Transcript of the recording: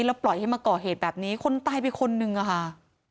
แล้วปล่อยให้มาก่อเหตุแบบนี้คนตายไปคนนึงอะค่ะ